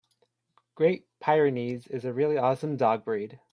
Great Pyrenees is a really awesome dog breed.